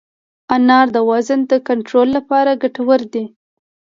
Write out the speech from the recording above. انار د وزن د کنټرول لپاره ګټور دی.